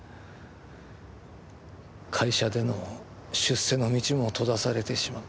会社での出世の道も閉ざされてしまった。